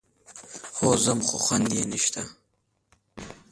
هو ځم، خو خوند يې نشته.